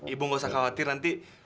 ibu nggak usah khawatir nanti